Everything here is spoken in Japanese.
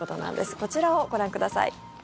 こちらをご覧ください。